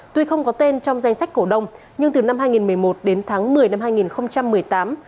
tuy không có tên trong danh sách cổ đông nhưng từ năm hai nghìn một mươi một đến tháng một mươi năm hai nghìn một mươi tám